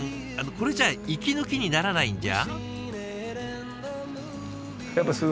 これじゃあ息抜きにならないんじゃ？